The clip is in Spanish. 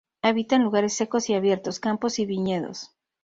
Habita en lugares secos y abiertos, campos y viñedos.